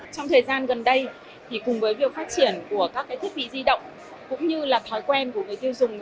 trong thời gian gần đây cùng với việc phát triển của các thiết bị di động cũng như là thói quen của người tiêu dùng